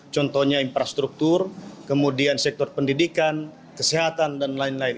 contohnya infrastruktur kemudian sektor pendidikan kesehatan dan lain lain